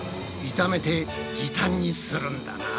炒めて時短にするんだな。